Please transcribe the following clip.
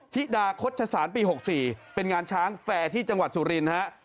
ธิดาคดชศาลปี๖๔เป็นงานช้างแฟร์ที่จังหวัดสุรินทร์ฮะ